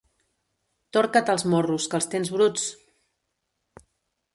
Torca't els morros, que els tens bruts!